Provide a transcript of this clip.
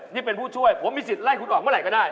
ที่เป็นผู้ช่วยผมมีสิทธิ์ไล่คุณออกเมื่อไหร่ก็ได้